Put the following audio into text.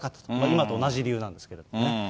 今と同じ理由なんですけどね。